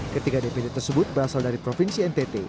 ketiga dpd tersebut berasal dari provinsi ntt